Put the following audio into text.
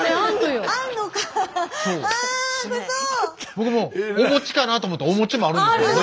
僕もお餅かなと思ったらお餅もあるんですよね。